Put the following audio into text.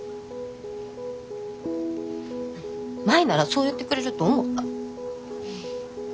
舞ならそう言ってくれると思った。